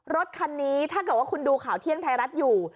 รถคันนี้ถ้าเกิดว่าคุณดูข่าวเที่ยงไทยรัฐอยู่